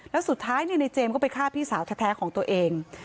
แล้วสุดท้ายในเจมส์ก็ไปฆ่าพี่สาวแท้ของตัวเอง